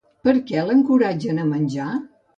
Per què l'encoratgen a menjar?